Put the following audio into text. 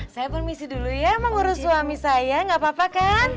saya permisi dulu ya mengurus suami saya enggak apa apa kan